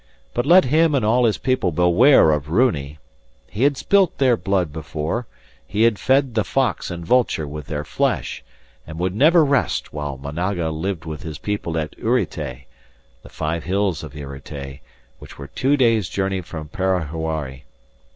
But let him and all his people beware of Runi. He had spilt their blood before, he had fed the fox and vulture with their flesh, and would never rest while Managa lived with his people at Uritay the five hills of Uritay, which were two days' journey from Parahuari.